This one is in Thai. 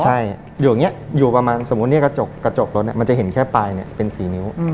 ใช่อยู่อย่างนี้อยู่ประมาณสมมุติเนี่ยกระจกรถมันจะเห็นแค่ปลายเป็น๔นิ้ว